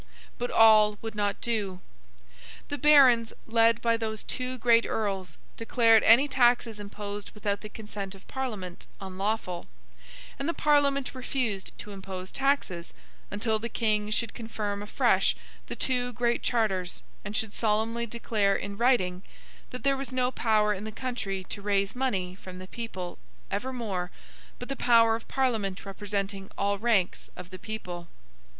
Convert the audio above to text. But all would not do. The Barons, led by those two great Earls, declared any taxes imposed without the consent of Parliament, unlawful; and the Parliament refused to impose taxes, until the King should confirm afresh the two Great Charters, and should solemnly declare in writing, that there was no power in the country to raise money from the people, evermore, but the power of Parliament representing all ranks of the people.